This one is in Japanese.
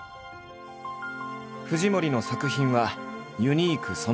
藤森の作品はユニークそのもの。